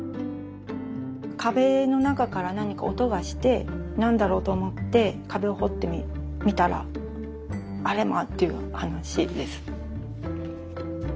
壁の中から何か音がして何だろうと思って壁を掘ってみたらあれま！という話です。